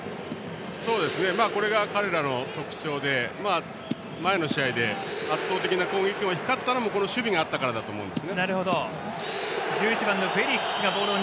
これが彼らの特徴で前の試合で圧倒的な攻撃が光ったのも守備があったからだと思います。